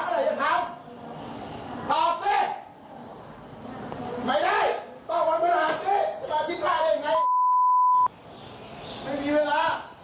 คนเดียวก็ไม่ต้องเรียนท่อนกลางอะ